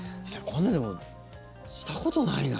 こんなの、でもしたことないな。